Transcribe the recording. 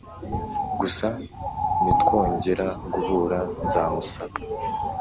Gusa nitwongera guhura nzamusaba